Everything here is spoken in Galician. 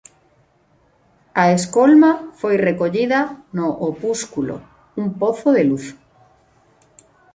A escolma foi recollida no opúsculo "Un pozo de luz".